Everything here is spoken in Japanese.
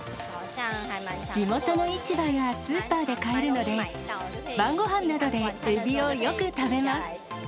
地元の市場やスーパーで買えるので、晩ごはんなどでエビをよく食べます。